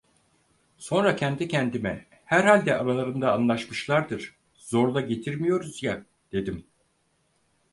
Sonra kendi kendime: "Herhalde aralarında anlaşmışlardır. Zorla getirmiyoruz ya" dedim.